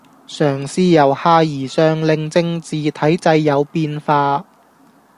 嘗試由下而上令政治體制有變化